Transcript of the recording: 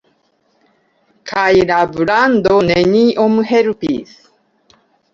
Kaj la brando neniom helpis.